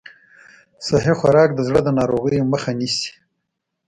صحي خوراک د زړه د ناروغیو مخه نیسي.